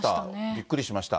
びっくりしました。